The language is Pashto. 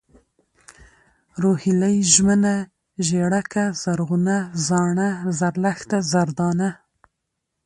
روهيلۍ ، ژمنه ، ژېړکه ، زرغونه ، زاڼه ، زرلښته ، زردانه